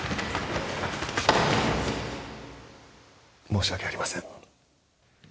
申し訳ありません。